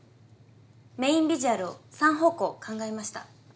メインビジュアルを３方向考えました。